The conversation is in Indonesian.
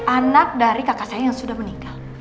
anak dari kakak saya yang sudah meninggal